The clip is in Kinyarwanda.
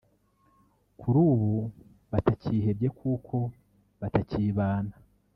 kuri ubu batakihebye kuko batakibana